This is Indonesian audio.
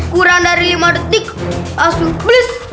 kurang dari lima detik langsung plus